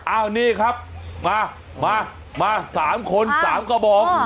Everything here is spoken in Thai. อ้าวนี่ครับมามา๓คน๓กระบอก